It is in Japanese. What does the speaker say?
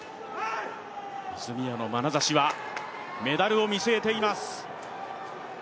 泉谷のまなざしは、メダルを見据えています。